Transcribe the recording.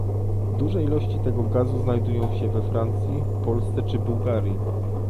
Duże ilości tego gazu znajdują się we Francji, Polsce czy Bułgarii